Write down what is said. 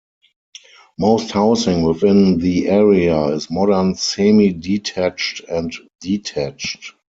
Most housing within the area is modern semi-detached and detached.